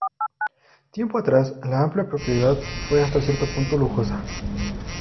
Tiempo atrás, la amplia propiedad fue hasta cierto punto lujosa.